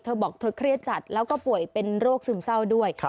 เธอบอกเธอเครียดจัดแล้วก็ป่วยเป็นโรคซึมเศร้าด้วย